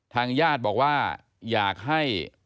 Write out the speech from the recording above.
ทางญาติบอกว่าอยากให้